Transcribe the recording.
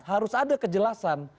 harus ada kejelasan